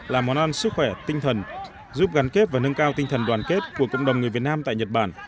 là món ăn sức khỏe tinh thần giúp gắn kết và nâng cao tinh thần đoàn kết của cộng đồng người việt nam tại nhật bản